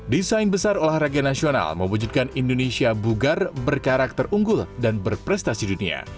desain besar olahraga nasional mewujudkan indonesia bugar berkarakter unggul dan berprestasi dunia